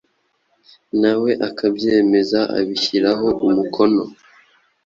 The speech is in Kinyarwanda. na we akabyemeza abishyiraho umukono.